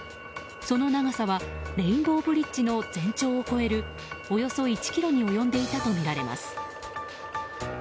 その長さはレインボーブリッジの全長を超えるおよそ１ｋｍに及んでいたとみられます。